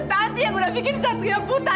tanti yang udah bikin satria buta